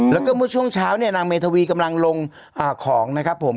แล้วก็เมื่อช่วงเช้าเนี่ยนางเมธวีกำลังลงของนะครับผม